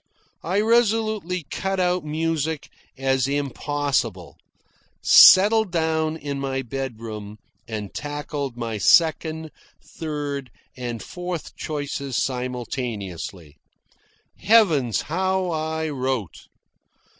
I resolutely cut out music as impossible, settled down in my bedroom, and tackled my second, third, and fourth choices simultaneously. Heavens, how I wrote!